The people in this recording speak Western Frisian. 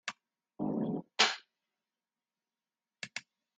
Der leit noch in kaai yn it laad.